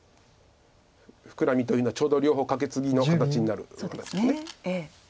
フクラミというのはちょうど両方カケツギの形になるところです。